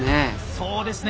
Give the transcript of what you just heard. そうですね。